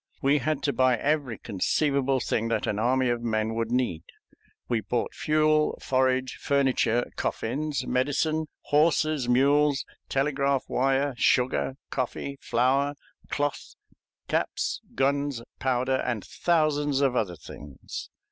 We had to buy every conceivable thing that an army of men could need. We bought fuel, forage, furniture, coffins, medicine, horses, mules, telegraph wire, sugar, coffee, flour, cloth, caps, guns, powder, and thousands of other things.